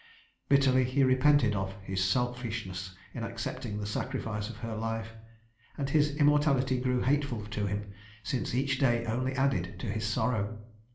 Bitterly he repented of his selfishness in accepting the sacrifice of her life, and his immortality grew hateful to him since each day only added to his sorrow.